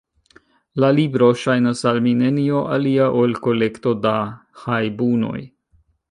La libro ŝajnas al mi nenio alia ol kolekto da hajbunoj.